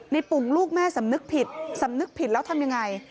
ปุ่งลูกแม่สำนึกผิดสำนึกผิดแล้วทำยังไง